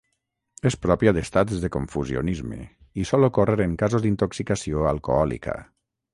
És pròpia d'estats de confusionisme i sol ocórrer en casos d'intoxicació alcohòlica.